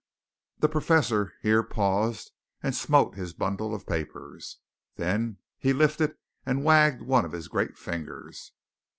The Professor here paused and smote his bundle of papers. Then he lifted and wagged one of his great fingers.